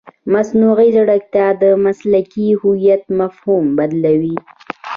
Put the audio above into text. مصنوعي ځیرکتیا د مسلکي هویت مفهوم بدلوي.